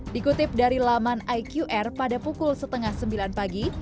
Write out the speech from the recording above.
dikutip dari laman iqr pada pukul setengah sembilan pagi